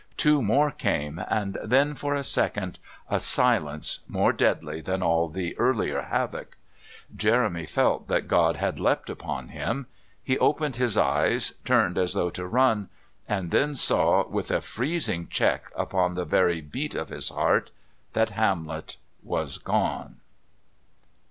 Two more came, and then, for a second, a silence, more deadly than all the earlier havoc. Jeremy felt that God had leapt upon him. He opened his eyes, turned as though to run, and then saw, with a freezing check upon the very beat of his heart, that Hamlet was gone.